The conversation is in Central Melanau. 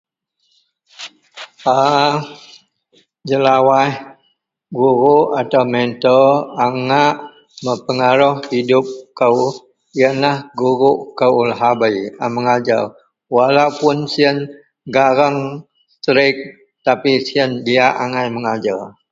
A jelawaih guruk atau mentor a ngak mempengaruh hidup kou, yenlah guruk kou lahabei a mengajer. Walaupun siyen gareng, seterik tapi siyen diyak angai mengajer.